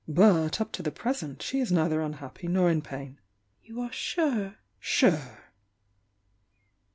"But, up to the present, she is neither unhappy nor in pain." "You are sure?" "Sure!"